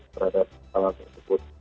terhadap hal hal tersebut